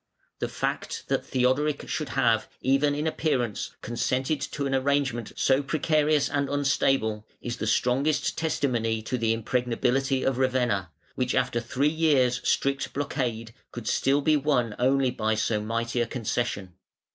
The fact that Theodoric should have, even in appearance, consented to an arrangement so precarious and unstable, is the strongest testimony to the impregnability of Ravenna, which after three years' strict blockade, could still be won only by so mighty a concession.